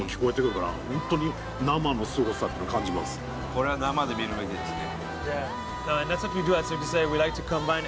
これは生で見るべきですね。